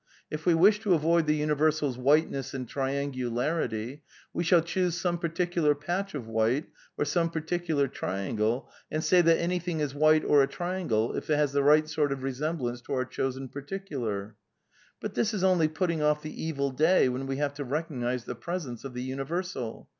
If we wish to avoid the universals whiteness and triangularity, we shall choose some particular patch of white or some particular triangle, and say that anything is white or a triangle if it has the right sort of resemblance to our chosen particular." (Bertrand Bussell, The Problems of Philosophy, pp. 146, 160.) But this is only putting off the evil day when we have to recognize the presence of the universal.